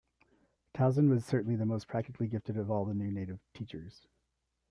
Tausen was certainly the most practically gifted of all the new native teachers.